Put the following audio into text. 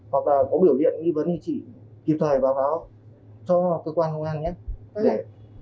hoặc là có biểu hiện nghi vấn thì chị kịp thời báo cho cơ quan công an nhé